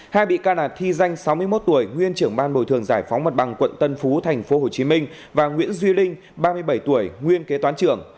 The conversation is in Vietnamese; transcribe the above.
hai bị can là thi danh sáu mươi một tuổi nguyên trưởng ban bồi thường giải phóng mặt bằng quận tân phú tp hcm và nguyễn duy linh ba mươi bảy tuổi nguyên kế toán trưởng